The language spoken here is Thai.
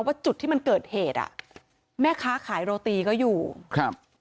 จุดที่มันเกิดเหตุอ่ะแม่ค้าขายโรตีก็อยู่ครับ